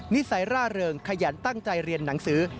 นิสัยร่าเริงขยันตั้งใจเรียนหนังสือ